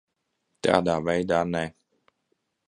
Tādā veidā ne.